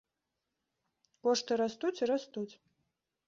Кошты растуць і растуць.